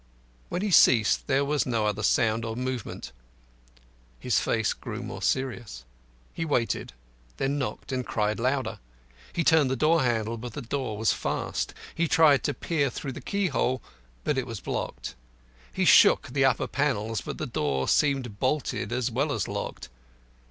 When he ceased there was no other sound or movement. His face grew more serious. He waited, then knocked, and cried louder. He turned the handle but the door was fast. He tried to peer through the keyhole, but it was blocked. He shook the upper panels, but the door seemed bolted as well as locked.